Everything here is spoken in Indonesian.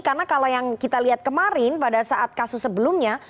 karena kalau yang kita lihat kemarin pada saat kasus sebelumnya